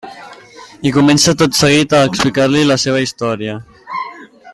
I comença tot seguit a explicar-li la seva història.